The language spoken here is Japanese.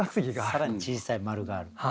更に小さい円がある。